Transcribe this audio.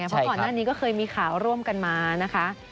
เพราะก่อนหน้านี้ก็เคยมีข่าวร่วมกันมานะคะ